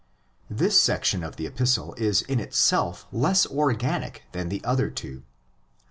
This section of the Epistle is in itself less organic than the other two.